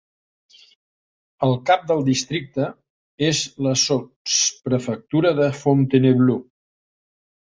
El cap del districte és la sotsprefectura de Fontainebleau.